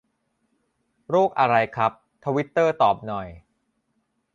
โรคอะไรครับ ทวิตเตอร์ตอบหน่อย